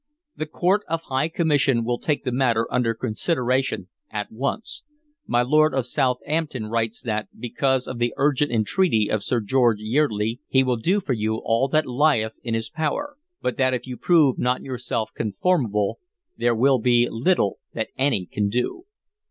The Court of High Commission will take the matter under consideration at once. My Lord of Southampton writes that, because of the urgent entreaty of Sir George Yeardley, he will do for you all that lieth in his power, but that if you prove not yourself conformable, there will be little that any can do."